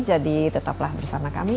jadi tetaplah bersama kami